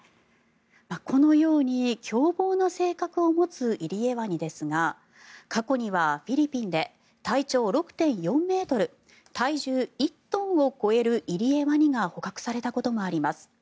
このように、凶暴な性格を持つイリエワニですが過去にはフィリピンで体長６．４ｍ体重１トンを超えるイリエワニが捕獲されたことがあります。